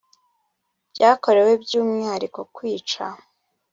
byakorewe by umwihariko kwica